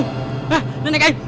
hah nenek kayu